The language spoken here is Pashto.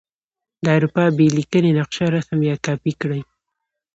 د اروپا بې لیکنې نقشه رسم یا کاپې کړئ.